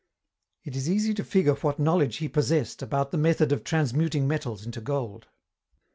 It is easy to figure what knowledge he possessed about the method of transmuting metals into gold.